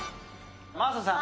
真麻さん。